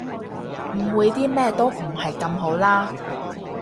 誤會啲咩都唔係咁好啦